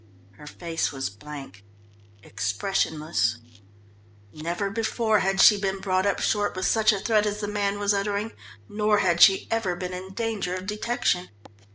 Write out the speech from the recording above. Her face was blank expressionless. Never before had she been brought up short with such a threat as the man was uttering, nor had she ever been in danger of detection.